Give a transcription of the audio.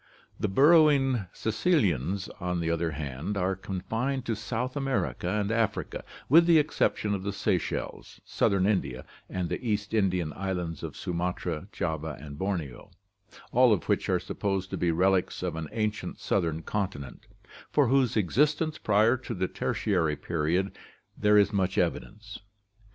The burrowing caecilians, on the other hand, are confined to South America and Africa, with the ex ception of the Seychelles, southern India, and the East Indian islands of Sumatra, Java, and Borneo, all of which are supposed to be relics of an ancient southern continent, for whose existence prior to the Tertiary period there is much evidence.